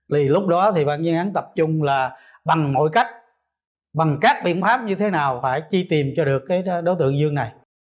thì lúc đó thì bản chuyên án tập trung là bằng mọi cách bằng các biện pháp như thế nào phải chi tìm cho được cái đối tượng dương này